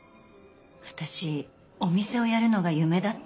私お店をやるのが夢だったんです。